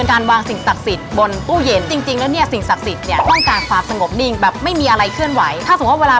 ทุกวันที่จะมีการไหว้สิ่งศักดิ์สิทธิ์ก่อนที่จะเปิดร้านในทุกวันเลย